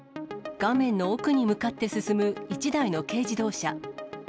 画面の奥に向かって進む１台の軽自動車。